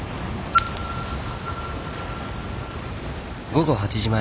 午後８時前。